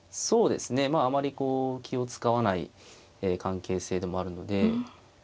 そうですねまああまりこう気を遣わない関係性でもあるので。